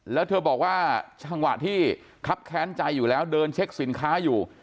แล้วเธอบอกว่าจังหวะที่ครับแค้นใจอยู่แล้วเดินเช็คสินค้าอยู่